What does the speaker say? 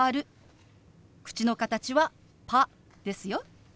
口の形は「パ」ですよ。